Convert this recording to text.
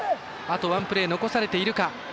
あとワンプレー、残されているか。